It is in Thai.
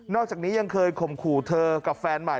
อกจากนี้ยังเคยข่มขู่เธอกับแฟนใหม่